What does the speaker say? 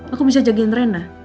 aku bisa jagain rina